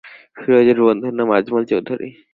ফিরোজের বন্ধুর নাম আজমল চৌধুরী।